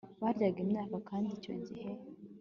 Baryaga inyama kandi icyo gihe